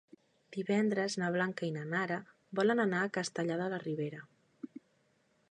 Divendres na Blanca i na Nara volen anar a Castellar de la Ribera.